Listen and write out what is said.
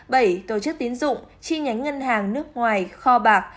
bảy tổ chức tín dụng chi nhánh ngân hàng nước ngoài kho bạc